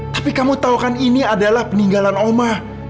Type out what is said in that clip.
tapi kamu tahu kan ini adalah peninggalan oma